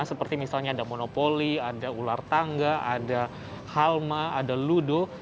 seperti misalnya ada monopoli ada ular tangga ada halma ada ludo